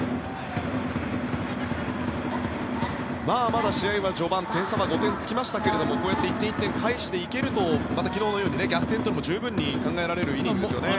まだ試合は序盤点差は５点つきましたけどこうやって１点１点返していけるとまた昨日のように逆転も十分考えられるイニングですよね。